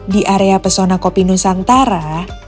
di area pesona kopi nusantara